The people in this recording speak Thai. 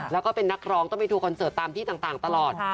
แล้วก็เป็นนักร้องต้องไปทัวคอนเสิร์ตตามที่ต่างตลอด